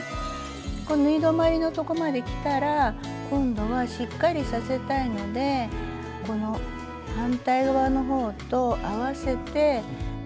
縫い止まりのとこまできたら今度はしっかりさせたいのでこの反対側の方と合わせて返し縫いを２３針します。